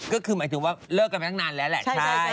ก็คือหมายถึงว่าเลิกกันไปตั้งนานแล้วแหละ